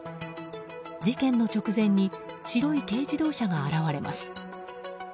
事件の直前に白い軽自動車が現れます。